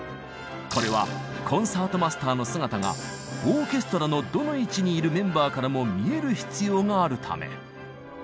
これはコンサートマスターの姿がオーケストラのどの位置にいるメンバーからも見える必要があるため。